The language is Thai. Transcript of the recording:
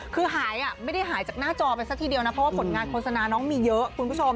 คือหายไม่ได้หายจากหน้าจอไปซะทีเดียวนะเพราะว่าผลงานโฆษณาน้องมีเยอะคุณผู้ชม